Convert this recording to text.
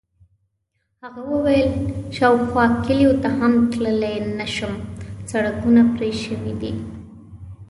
هغه وویل: شاوخوا کلیو ته هم تللی نه شم، سړکونه پرې شوي دي.